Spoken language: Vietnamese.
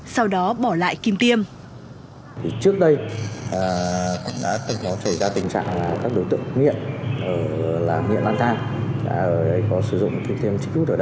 sau đó bỏ lại kim tiêm